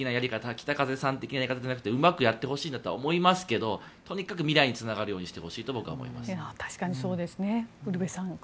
北風的なやり方ではなくてうまくやってほしいんだとは思いますがとにかく未来につながるようにしてほしいと確かにそうですね。